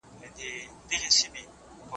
وترنري پوهنځۍ په پټه نه بدلیږي.